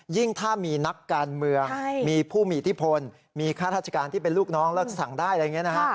ยิ่งถ้ามีนักการเมืองมีผู้มีอิทธิพลมีค่าราชการที่เป็นลูกน้องแล้วสั่งได้อะไรอย่างนี้นะฮะ